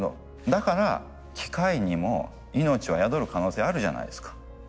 だから機械にも命は宿る可能性あるじゃないですか。